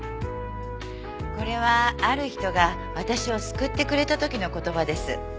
これはある人が私を救ってくれた時の言葉です。